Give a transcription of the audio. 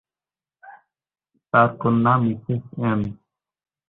তাঁর কন্যা, Mrs M.